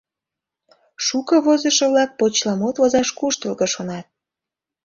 Шуко возышо-влак почеламут возаш куштылго шонат.